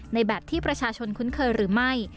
แบบที่ประชาชนคุ้นเคยหรือไม่